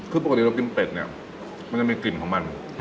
คือปกติเรากินเป็ดเนี่ยมันจะมีกลิ่นของมัน